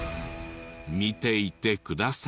見ていてください。